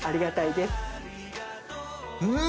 うん。